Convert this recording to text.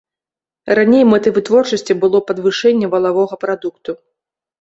Раней мэтай вытворчасці было падвышэнне валавога прадукту.